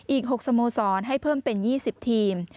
อีก๖สโมสรให้เพิ่มเป็น๒๐ทีม